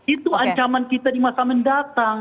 itu ancaman kita di masa mendatang